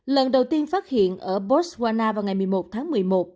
lần đầu tiên phát hiện ở botswana vào ngày một mươi một tháng một mươi một